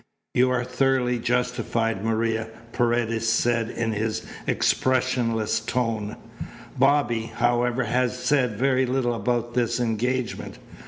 "You are thoroughly justified, Maria," Paredes said in his expressionless tones. "Bobby, however, has said very little about this engagement.